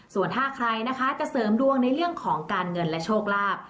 ส่วนถ้าใครนะคะจะเสริมดวงในเรื่องของการเงินและโชคลาภ